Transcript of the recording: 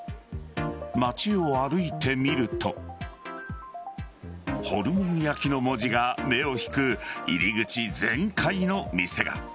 町を歩いてみるとホルモン焼の文字が目を引く入り口全開の店が。